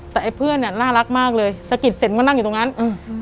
แต่ไอ้เพื่อนเนี้ยน่ารักมากเลยสะกิดเสร็จมันก็นั่งอยู่ตรงนั้นอืม